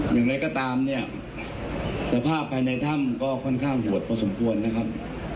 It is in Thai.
อย่างไรก็ตามเนี่ยสภาพภายในถ้ำก็ค่อนข้างโหดพอสมควรนะครับ